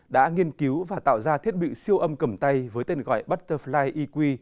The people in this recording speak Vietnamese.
đã nghiên cứu và tạo ra thiết bị siêu âm cầm tay với tên gọi butterfly eq